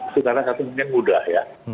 itu karena satu mungkin mudah ya